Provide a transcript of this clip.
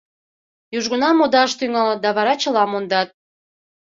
Южгунам модаш тӱҥалыт да вара чыла мондат.